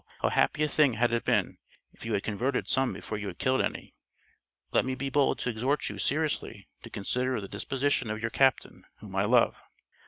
how happy a thing had it been, if you had converted some before you had killed any.... Let me be bold to exhort you seriously to consider of the disposition of your captain, whom I love.